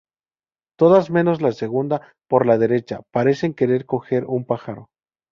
Todas menos la segunda por la derecha parecen querer coger un pájaro.